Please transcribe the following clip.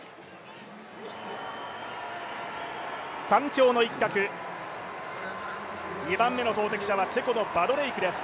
３強の一角、２番目の投てき者はチェコのバドレイクです。